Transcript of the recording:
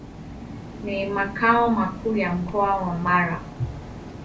Ni makao makuu ya Mkoa wa Mara.